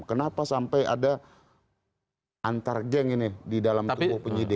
kenapa sampai ada antar geng ini di dalam tubuh penyidik